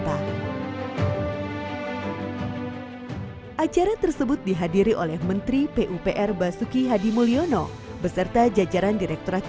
hai acara tersebut dihadiri oleh menteri pupr basuki hadimulyono beserta jajaran direkturat